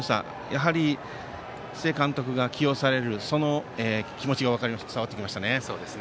やはり、須江監督が起用されるその気持ちが伝わってきましたね。